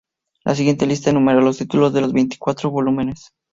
La siguiente lista enumera los títulos de los veinticuatro volúmenes.